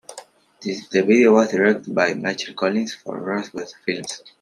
The video was directed by Michael Collins for Rosebud Films.